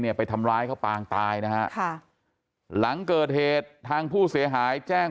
ไปทำร้ายเขาปางตายนะฮะค่ะหลังเกิดเหตุทางผู้เสียหายแจ้ง